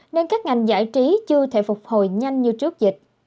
nên các ngành giải trí chưa thể phục hồi nhanh như trước dịch